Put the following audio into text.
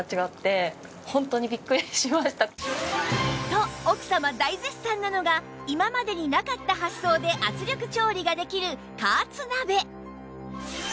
と奥様大絶賛なのが今までになかった発想で圧力調理ができる加圧鍋